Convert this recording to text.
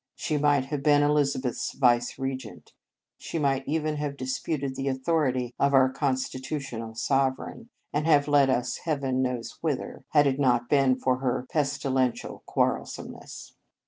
She might have been Elizabeth s vice regent; she might even have disputed the author ity of our constitutional sovereign, and have led us Heaven knows whither, had it not been for her pestilential quarrelsomeness.